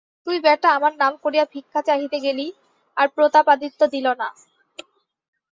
তুই বেটা আমার নাম করিয়া ভিক্ষা চাহিতে গেলি, আর প্রতাপাদিত্য দিল না।